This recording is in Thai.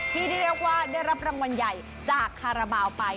ที่เรียกว่าได้รับรางวัลใหญ่จากคาราบาลไป